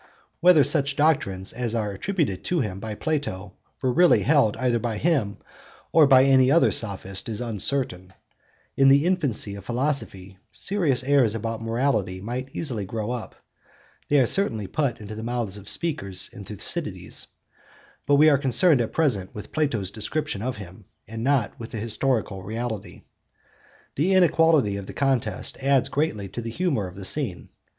Whether such doctrines as are attributed to him by Plato were really held either by him or by any other Sophist is uncertain; in the infancy of philosophy serious errors about morality might easily grow up—they are certainly put into the mouths of speakers in Thucydides; but we are concerned at present with Plato's description of him, and not with the historical reality. The inequality of the contest adds greatly to the humour of the scene.